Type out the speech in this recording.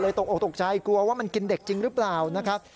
ตกออกตกใจกลัวว่ามันกินเด็กจริงหรือเปล่านะครับ